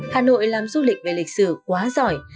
hà nội làm du lịch về lịch sử quá giỏi